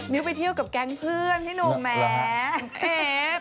มิวไปเที่ยวกับแก๊งเพื่อนที่โนแมท